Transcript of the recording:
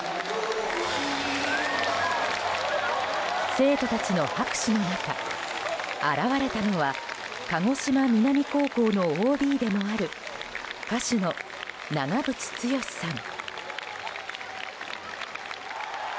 生徒たちの拍手の中現れたのは鹿児島南高校のＯＢでもある歌手の長渕剛さん。